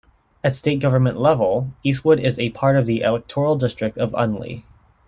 At State Government level, Eastwood is a part of the electoral district of Unley.